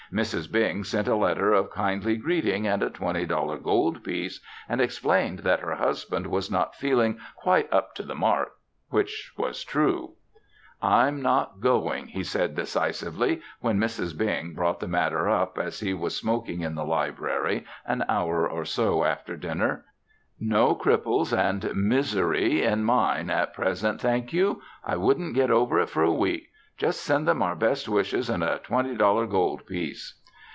Mrs. Bing sent a letter of kindly greeting and a twenty dollar gold piece and explained that her husband was not feeling "quite up to the mark," which was true. "I'm not going," he said decisively, when Mrs. Bing brought the matter up as he was smoking in the library an hour or so after dinner. "No cripples and misery in mine at present, thank you! I wouldn't get over it for a week. Just send them our best wishes and a twenty dollar gold piece."